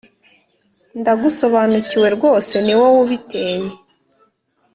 ndagusobanukiwe rwose niwowe ubiteye.